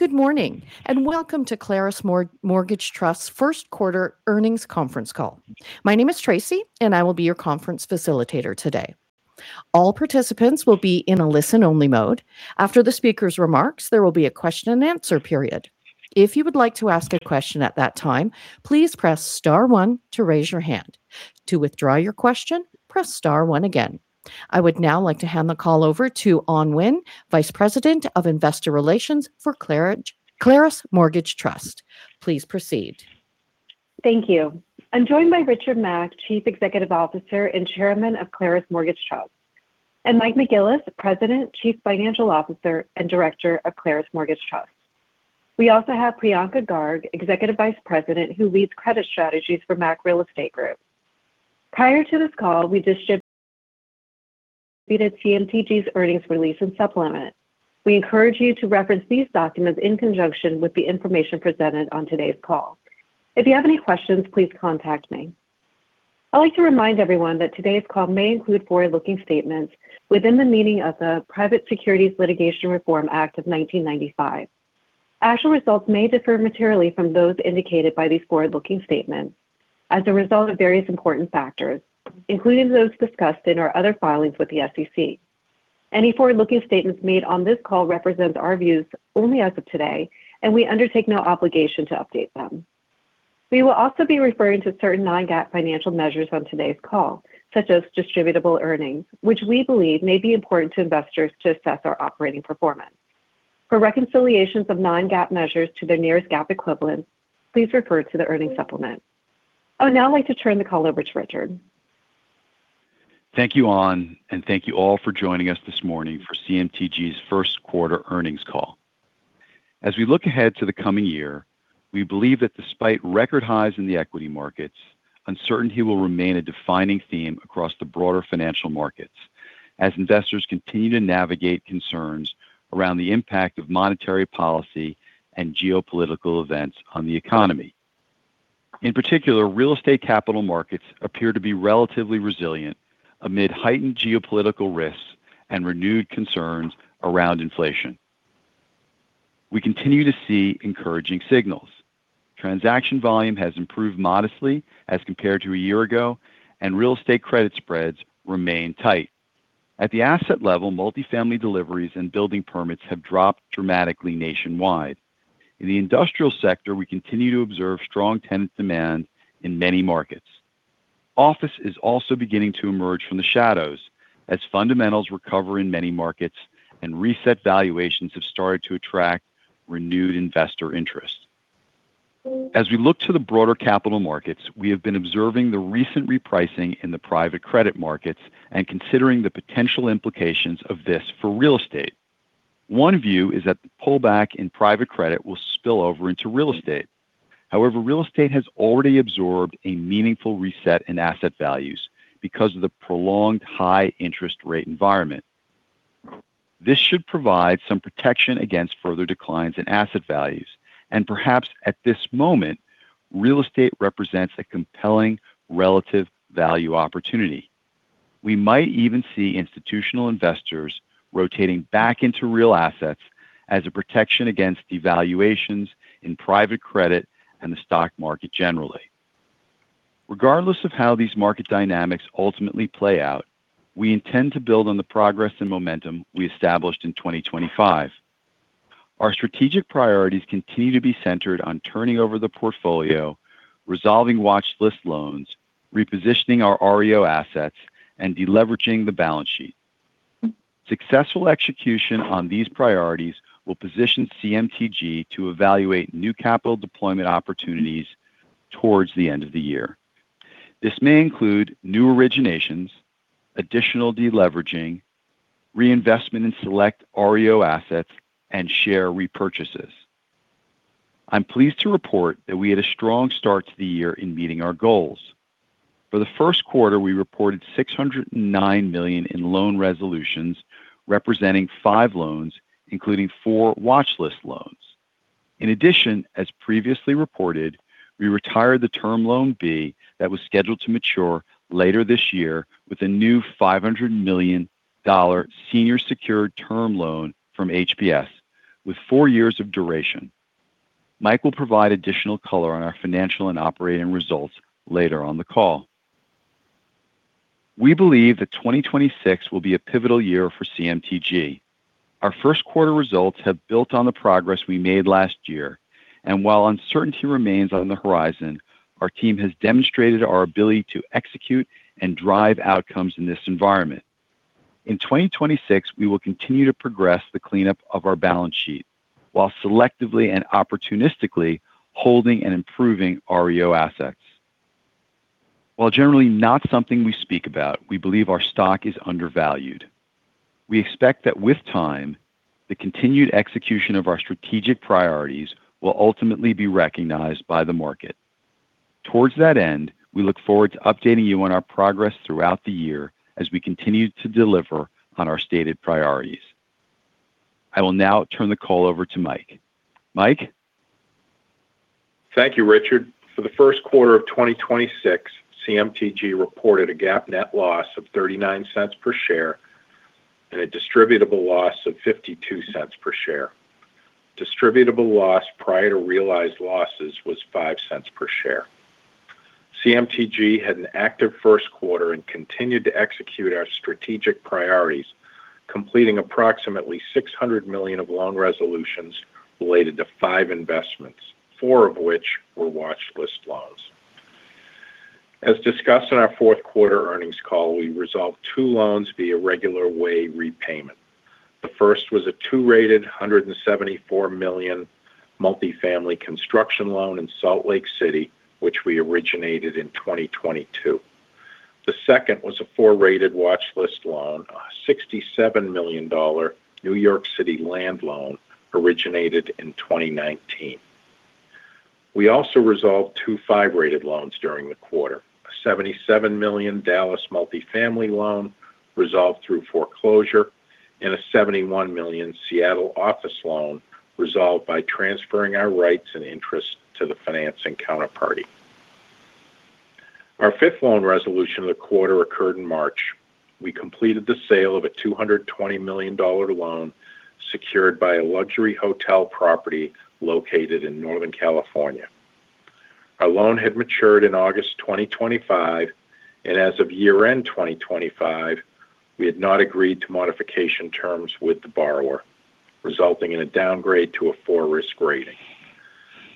Good morning, and welcome to Claros Mortgage Trust first quarter earnings conference call. My name is Tracy, and I will be your conference facilitator today. All participants will be in a listen only mode. After the speaker's remarks, there will be a question and answer period. If you would like to ask a question at that time, please press star one to raise your hand. To withdraw your question, press star one again. I would now like to hand the call over to Anh Huynh, Vice President of Investor Relations for Claros Mortgage Trust. Please proceed. Thank you. I'm joined by Richard Mack, Chief Executive Officer and Chairman of Claros Mortgage Trust, and Mike McGillis, President, Chief Financial Officer, and Director of Claros Mortgage Trust. We also have Priyanka Garg, Executive Vice President, who leads credit strategies for Mack Real Estate Group. Prior to this call, we distributed CMTG's earnings release and supplement. We encourage you to reference these documents in conjunction with the information presented on today's call. If you have any questions, please contact me. I'd like to remind everyone that today's call may include forward-looking statements within the meaning of the Private Securities Litigation Reform Act of 1995. Actual results may differ materially from those indicated by these forward-looking statements as a result of various important factors, including those discussed in our other filings with the SEC. Any forward-looking statements made on this call represent our views only as of today, and we undertake no obligation to update them. We will also be referring to certain non-GAAP financial measures on today's call, such as distributable earnings, which we believe may be important to investors to assess our operating performance. For reconciliations of non-GAAP measures to their nearest GAAP equivalent, please refer to the earnings supplement. I would now like to turn the call over to Richard. Thank you, Anh, and thank you all for joining us this morning for CMTG's first quarter earnings call. As we look ahead to the coming year, we believe that despite record highs in the equity markets, uncertainty will remain a defining theme across the broader financial markets as investors continue to navigate concerns around the impact of monetary policy and geopolitical events on the economy. In particular, real estate capital markets appear to be relatively resilient amid heightened geopolitical risks and renewed concerns around inflation. We continue to see encouraging signals. Transaction volume has improved modestly as compared to a year ago, and real estate credit spreads remain tight. At the asset level, multi-family deliveries and building permits have dropped dramatically nationwide. In the industrial sector, we continue to observe strong tenant demand in many markets. Office is also beginning to emerge from the shadows as fundamentals recover in many markets and reset valuations have started to attract renewed investor interest. As we look to the broader capital markets, we have been observing the recent repricing in the private credit markets and considering the potential implications of this for real estate. One view is that the pullback in private credit will spill over into real estate. Real estate has already absorbed a meaningful reset in asset values because of the prolonged high interest rate environment. This should provide some protection against further declines in asset values, and perhaps at this moment, real estate represents a compelling relative value opportunity. We might even see institutional investors rotating back into real assets as a protection against devaluations in private credit and the stock market generally. Regardless of how these market dynamics ultimately play out, we intend to build on the progress and momentum we established in 2025. Our strategic priorities continue to be centered on turning over the portfolio, resolving watchlist loans, repositioning our REO assets, and de-leveraging the balance sheet. Successful execution on these priorities will position CMTG to evaluate new capital deployment opportunities towards the end of the year. This may include new originations, additional de-leveraging, reinvestment in select REO assets, and share repurchases. I'm pleased to report that we had a strong start to the year in meeting our goals. For the first quarter, we reported $609 million in loan resolutions, representing five loans, including four watchlist loans. In addition, as previously reported, we retired the Term Loan B that was scheduled to mature later this year with a new $500 million senior secured term loan from HPS with four years of duration. Mike will provide additional color on our financial and operating results later on the call. We believe that 2026 will be a pivotal year for CMTG. Our first quarter results have built on the progress we made last year, and while uncertainty remains on the horizon, our team has demonstrated our ability to execute and drive outcomes in this environment. In 2026, we will continue to progress the cleanup of our balance sheet while selectively and opportunistically holding and improving REO assets. While generally not something we speak about, we believe our stock is undervalued. We expect that with time, the continued execution of our strategic priorities will ultimately be recognized by the market. Towards that end, we look forward to updating you on our progress throughout the year as we continue to deliver on our stated priorities. I will now turn the call over to Mike. Mike? Thank you, Richard. For the first quarter of 2026, CMTG reported a GAAP net loss of $0.39 per share and a distributable loss of $0.52 per share. Distributable loss prior to realized losses was $0.05 per share. CMTG had an active first quarter and continued to execute our strategic priorities, completing approximately $600 million of loan resolutions related to five investments, four of which were watch list loans. As discussed in our fourth quarter earnings call, we resolved two loans via regular way repayment. The first was a two-rated $174 million multi-family construction loan in Salt Lake City, which we originated in 2022. The second was a four-rated watch list loan, a $67 million New York City land loan originated in 2019. We also resolved two five-rated loans during the quarter. A $77 million Dallas multi-family loan resolved through foreclosure and a $71 million Seattle office loan resolved by transferring our rights and interests to the financing counterparty. Our fifth loan resolution of the quarter occurred in March. We completed the sale of a $220 million loan secured by a luxury hotel property located in Northern California. Our loan had matured in August 2025, as of year-end 2025, we had not agreed to modification terms with the borrower, resulting in a downgrade to a four risk rating.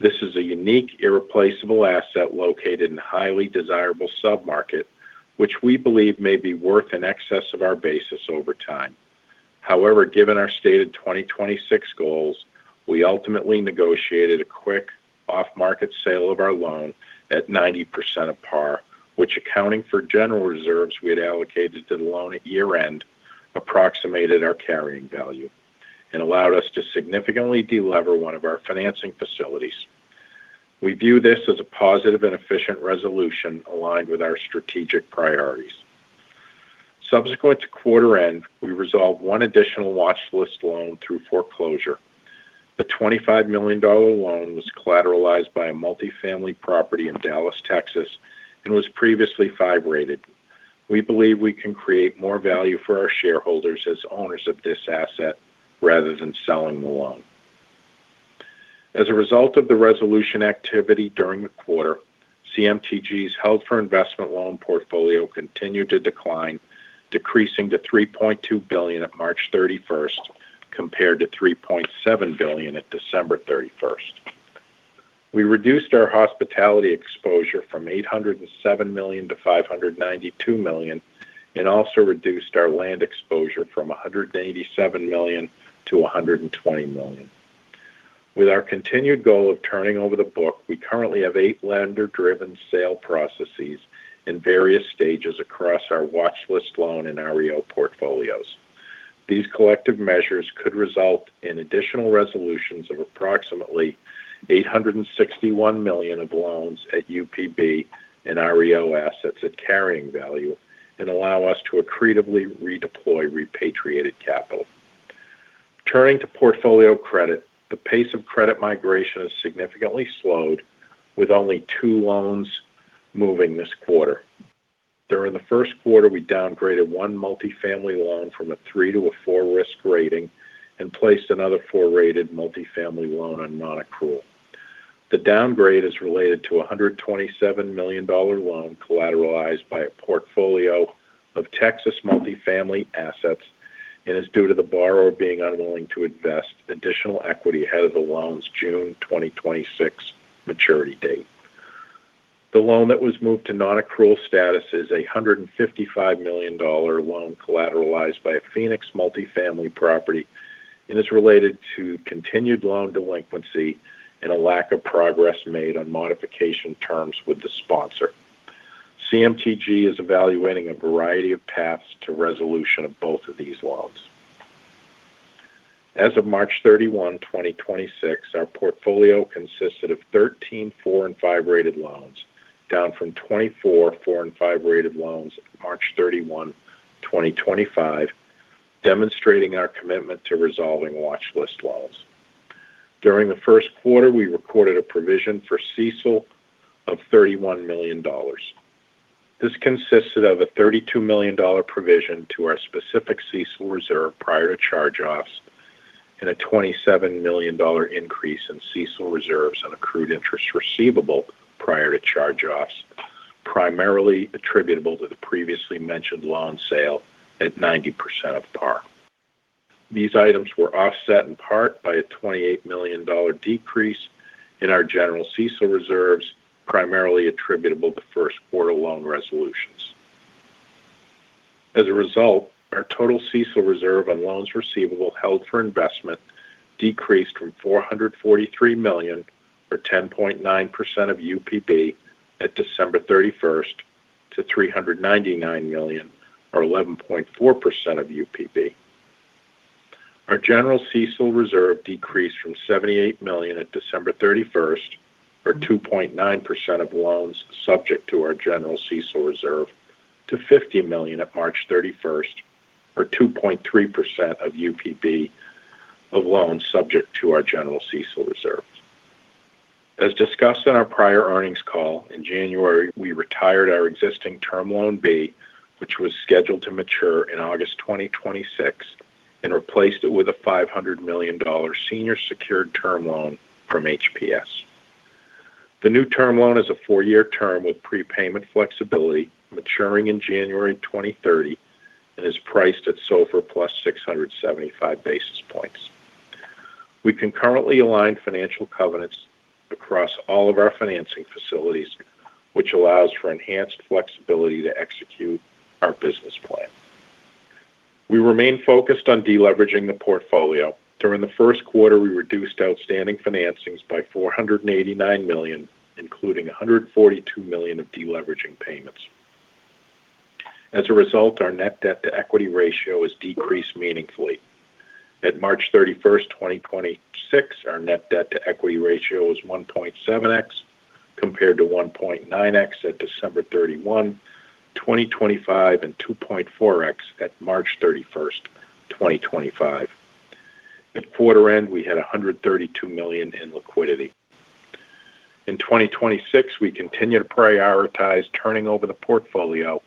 This is a unique, irreplaceable asset located in a highly desirable sub-market, which we believe may be worth in excess of our basis over time. However, given our stated 2026 goals, we ultimately negotiated a quick off-market sale of our loan at 90% of par, which accounting for general reserves we had allocated to the loan at year-end approximated our carrying value and allowed us to significantly de-lever one of our financing facilities. We view this as a positive and efficient resolution aligned with our strategic priorities. Subsequent to quarter end, we resolved one additional watch list loan through foreclosure. The $25 million loan was collateralized by a multi-family property in Dallas, Texas, and was previously five-rated. We believe we can create more value for our shareholders as owners of this asset rather than selling the loan. As a result of the resolution activity during the quarter, CMTG's held for investment loan portfolio continued to decline, decreasing to $3.2 billion at March 31st compared to $3.7 billion at December 31st. We reduced our hospitality exposure from $807 million to $592 million, and also reduced our land exposure from $187 million to $120 million. With our continued goal of turning over the book, we currently have eight lender-driven sale processes in various stages across our watchlist loan and REO portfolios. These collective measures could result in additional resolutions of approximately $861 million of loans at UPB and REO assets at carrying value and allow us to accretively redeploy repatriated capital. Turning to portfolio credit, the pace of credit migration has significantly slowed with only two loans moving this quarter. During the first quarter, we downgraded one multi-family loan from a three to a four risk rating and placed another four-rated multi-family loan on non-accrual. The downgrade is related to a $127 million loan collateralized by a portfolio of Texas multi-family assets and is due to the borrower being unwilling to invest additional equity ahead of the loan's June 2026 maturity date. The loan that was moved to non-accrual status is a $155 million loan collateralized by a Phoenix multi-family property and is related to continued loan delinquency and a lack of progress made on modification terms with the sponsor. CMTG is evaluating a variety of paths to resolution of both of these loans. As of March 31, 2026, our portfolio consisted of 13 four and five-rated loans, down from 24 four and five-rated loans at March 31, 2025, demonstrating our commitment to resolving watchlist loans. During the first quarter, we recorded a provision for CECL of $31 million. This consisted of a $32 million provision to our specific CECL reserve prior to charge-offs and a $27 million increase in CECL reserves on accrued interest receivable prior to charge-offs, primarily attributable to the previously mentioned loan sale at 90% of par. These items were offset in part by a $28 million decrease in our general CECL reserves, primarily attributable to first quarter loan resolutions. As a result, our total CECL reserve on loans receivable held for investment decreased from $443 million, or 10.9% of UPB at December 31st to $399 million, or 11.4% of UPB. Our general CECL reserve decreased from $78 million at December 31st, or 2.9% of loans subject to our general CECL reserve, to $50 million at March 31st, or 2.3% of UPB of loans subject to our general CECL reserves. As discussed in our prior earnings call, in January, we retired our existing Term Loan B, which was scheduled to mature in August 2026, and replaced it with a $500 million senior secured term loan from HPS. The new term loan is a four-year term with prepayment flexibility maturing in January 2030 and is priced at SOFR plus 675 basis points. We concurrently align financial covenants across all of our financing facilities, which allows for enhanced flexibility to execute our business plan. We remain focused on deleveraging the portfolio. During the first quarter, we reduced outstanding financings by $489 million, including $142 million of deleveraging payments. As a result, our net debt-to-equity ratio has decreased meaningfully. At March 31st, 2026, our net debt-to-equity ratio was 1.7x, compared to 1.9x at December 31, 2025, and 2.4x at March 31st, 2025. At quarter end, we had $132 million in liquidity. In 2026, we continue to prioritize turning over the portfolio,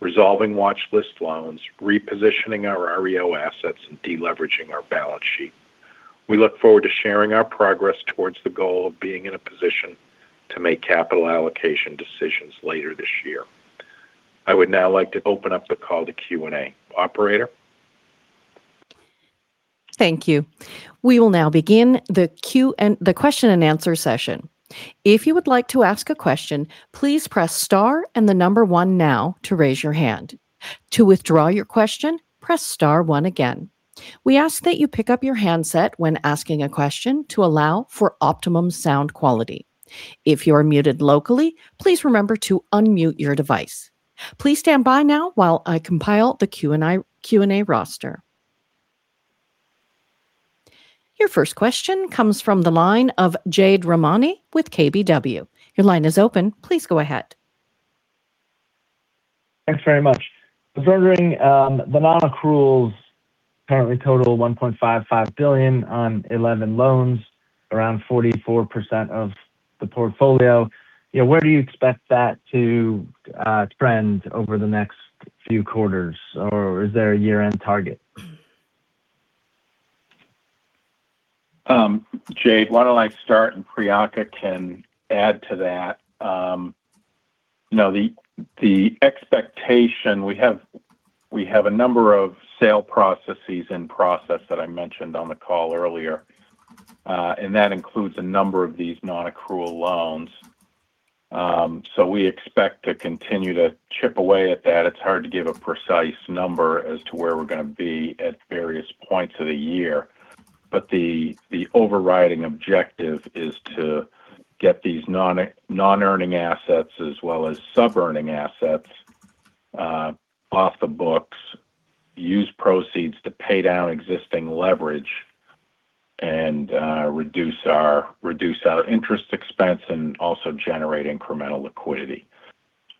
resolving watchlist loans, repositioning our REO assets, and deleveraging our balance sheet. We look forward to sharing our progress towards the goal of being in a position to make capital allocation decisions later this year. I would now like to open up the call to Q&A. Operator? Thank you. We will now begin the question and answer session. If you would like to ask a question, please press star and one now to raise your hand. To withdraw your question, press star one again. We ask that you pick up your handset when asking a question to allow for optimum sound quality. If you're muted locally, please remember to unmute your device. Please stand by now while I compile the Q&A roster. Your first question comes from the line of Jade Rahmani with KBW. Your line is open. Please go ahead. Thanks very much. Considering, the non-accruals currently total $1.55 billion on 11 loans, around 44% of the portfolio, you know, where do you expect that to trend over the next few quarters, or is there a year-end target? Jade, why don't I start, and Priyanka can add to that? You know, we have a number of sale processes in process that I mentioned on the call earlier, and that includes a number of these non-accrual loans. We expect to continue to chip away at that. It's hard to give a precise number as to where we're going to be at various points of the year. The overriding objective is to get these non-earning assets as well as sub-earning assets off the books, use proceeds to pay down existing leverage and reduce our interest expense and also generate incremental liquidity.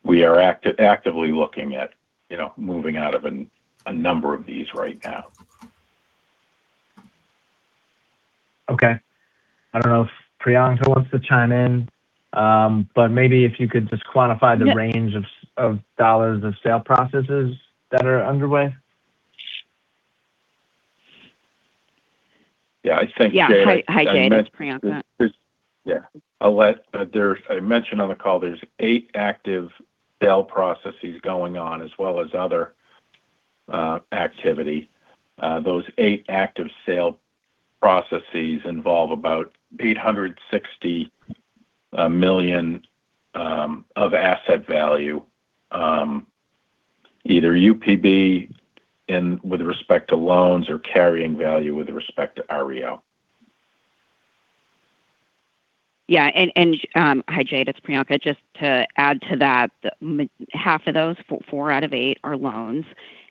We are actively looking at, you know, moving out of a number of these right now. Okay. I don't know if Priyanka wants to chime in, maybe if you could just quantify the range of- Yeah.... of dollars of sale processes that are underway. Yeah, I think, Jade- Yeah. Hi, hi, Jade. It's Priyanka. I mentioned on the call there's eight active sale processes going on as well as other activity. Those eight active sale processes involve about $860 million of asset value, either UPB in with respect to loans or carrying value with respect to REO. Yeah. Hi, Jade. It's Priyanka. Just to add to that, half of those, four out of eight are loans,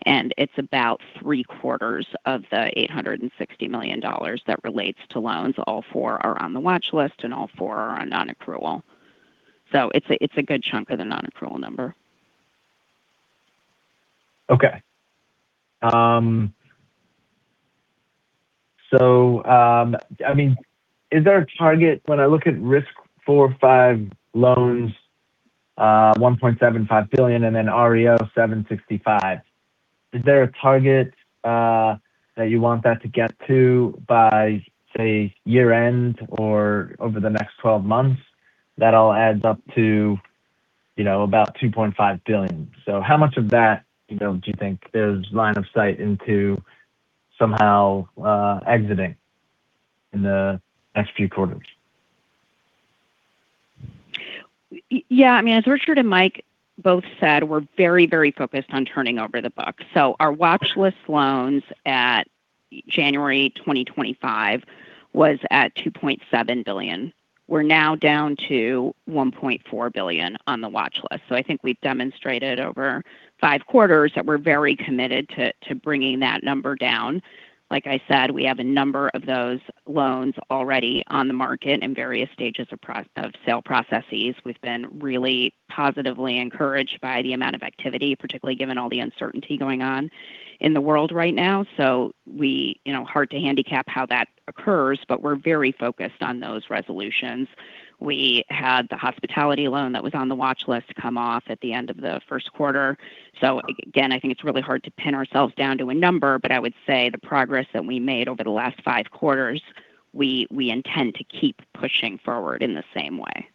and it's about 3/4 of the $860 million that relates to loans. All four are on the watchlist, and all four are on non-accrual. It's a, it's a good chunk of the non-accrual number. Okay. I mean, is there a target when I look at risk four or five loans, $1.75 billion and then REO $765 million? Is there a target that you want that to get to by, say, year end or over the next 12 months? That all adds up to, you know, about $2.5 billion. How much of that, you know, do you think there's line of sight into somehow exiting in the next few quarters? I mean, as Richard and Mike both said, we're very, very focused on turning over the books. Our watchlist loans January 2025 was at $2.7 billion. We're now down to $1.4 billion on the watch list. I think we've demonstrated over five quarters that we're very committed to bringing that number down. Like I said, we have a number of those loans already on the market in various stages of sale processes. We've been really positively encouraged by the amount of activity, particularly given all the uncertainty going on in the world right now. We, you know, hard to handicap how that occurs, we're very focused on those resolutions. We had the hospitality loan that was on the watch list come off at the end of the first quarter. Again, I think it's really hard to pin ourselves down to a number, but I would say the progress that we made over the last five quarters, we intend to keep pushing forward in the same way.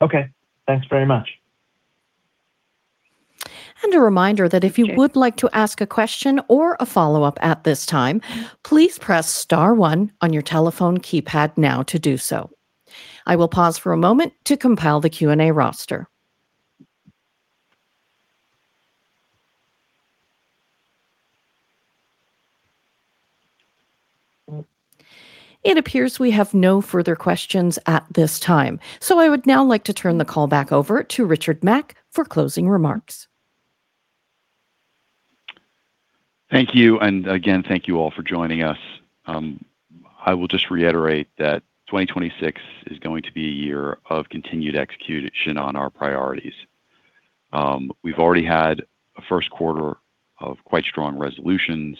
Okay. Thanks very much. A reminder that if you would like to ask a question or a follow-up at this time, please press star one on your telephone keypad now to do so. I will pause for a moment to compile the Q&A roster. It appears we have no further questions at this time. I would now like to turn the call back over to Richard Mack for closing remarks. Thank you. Again, thank you all for joining us. I will just reiterate that 2026 is going to be a year of continued execution on our priorities. We've already had a first quarter of quite strong resolutions,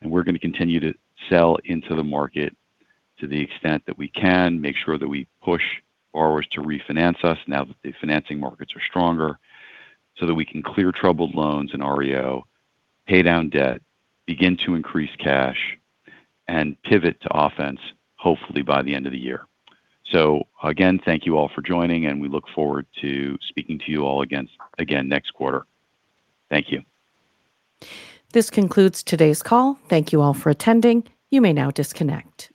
and we're going to continue to sell into the market to the extent that we can, make sure that we push borrowers to refinance us now that the financing markets are stronger so that we can clear troubled loans and REO, pay down debt, begin to increase cash, and pivot to offense hopefully by the end of the year. Again, thank you all for joining, and we look forward to speaking to you all again next quarter. Thank you. This concludes today's call. Thank you all for attending. You may now disconnect.